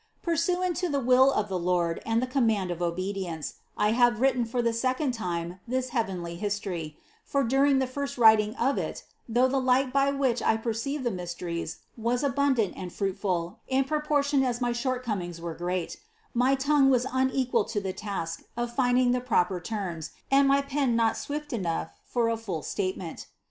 15. Pursuant to the will of the Lord and the com mand of obedience, I have written for the second time this heavenly history; for during the first writing of it, though the light by which I perceived the mysteries was abundant and fruitful in proportion as my shortcomings were great, my tongue was unequal to the task of finding the proper terms, and my pen not swift enough for a full statement.